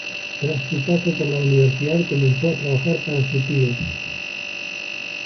Tras su paso por la Universidad comenzó a trabajar para su tío.